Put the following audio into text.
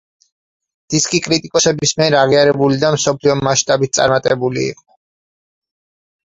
დისკი კრიტიკოსების მიერ აღიარებული და მსოფლიო მასშტაბით წარმატებული იყო.